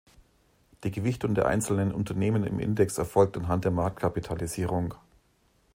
Die Gewichtung der einzelnen Unternehmen im Index erfolgt anhand der Marktkapitalisierung.